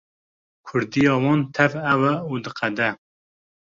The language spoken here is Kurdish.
Kurdiya wan tev ew e û diqede.